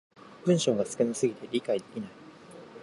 文章が少な過ぎて理解できない